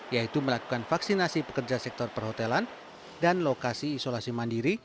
yaitu melakukan vaksinasi pekerja sektor perhotelan dan lokasi isolasi mandiri